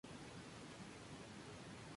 El mismo día la emperatriz Fu se suicidó.